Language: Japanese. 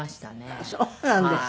あっそうなんですか。